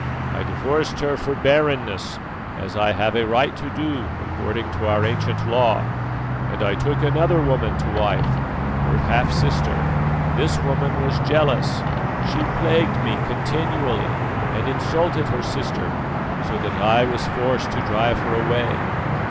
I divorced her for barrenness, as I have a right to do according to our ancient law, and I took another woman to wife, her half sister. This woman was jealous; she plagued me continually, and insulted her sister, so that I was forced to drive her away.